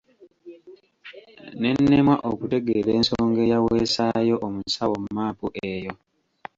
Ne nemwa okutegeera ensonga eyaweesaayo omusawo map eyo.